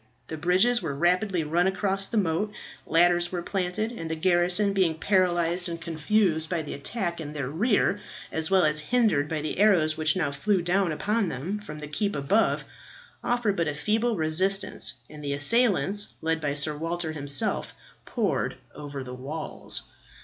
The bridges were rapidly run across the moat, ladders were planted, and the garrison being paralyzed and confused by the attack in their rear, as well as hindered by the arrows which now flew down upon them from the keep above, offered but a feeble resistance, and the assailants, led by Sir Walter himself, poured over the walls.